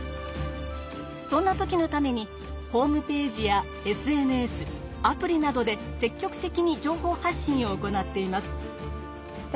そんな時のためにホームページやＳＮＳアプリなどで積極的に情報発信を行っています。